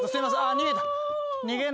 逃げた。